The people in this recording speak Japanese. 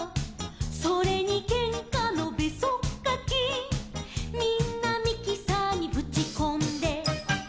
「それにけんかのべそっかき」「みんなミキサーにぶちこんで」